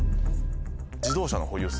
自動車の保有数。